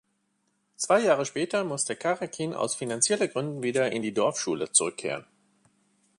Zwei Jahre später musste Karekin aus finanziellen Gründen wieder in die Dorfschule zurückkehren.